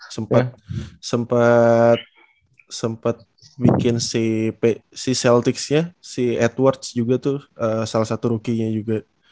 sempat sempat sempat bikin si celtics nya si edwards juga tuh salah satu rookie nya juga